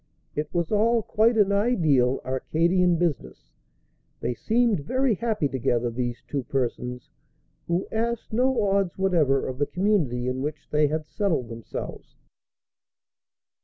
It was all quite an ideal, Arcadian business. They seemed very happy together, these two persons, who asked no odds whatever of the community in which they had settled themselves.